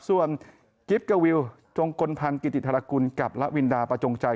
ส่วนกิฟต์กวิวจงกลพันธ์กิติธรกุลกับละวินดาประจงใจ